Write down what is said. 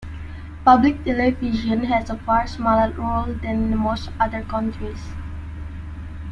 Public television has a far smaller role than in most other countries.